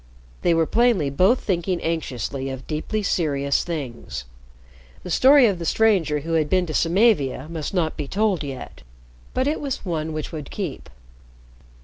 They were plainly both thinking anxiously of deeply serious things. The story of the stranger who had been to Samavia must not be told yet. But it was one which would keep.